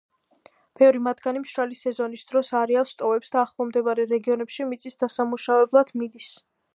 ბევრი მათგანი მშრალი სეზონის დროს არეალს ტოვებს და ახლომდებარე რეგიონებში მიწის დასამუშავებლად მიდის.